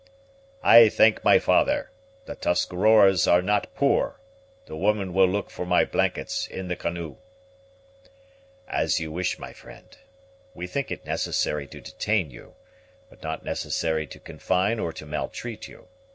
"I thank my father. The Tuscaroras are not poor. The woman will look for my blankets in the canoe." "As you wish, my friend. We think it necessary to detain you; but not necessary to confine or to maltreat you.